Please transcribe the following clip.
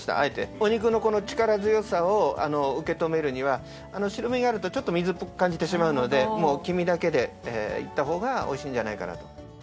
お肉のこの力強さを受け止めるには白身があるとちょっと水っぽく感じてしまうので黄身だけでいった方がおいしいんじゃないかなと。